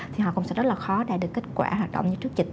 thì họ cũng sẽ rất là khó để được kết quả hoạt động như trước dịch